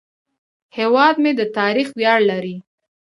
هیواد مې د تاریخ ویاړ لري